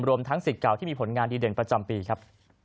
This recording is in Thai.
ทั้งสิทธิ์เก่าที่มีผลงานดีเด่นประจำปีครับ